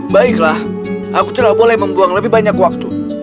baiklah aku tidak boleh membuang lebih banyak waktu